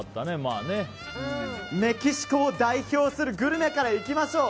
メキシコを代表するグルメからいきましょう。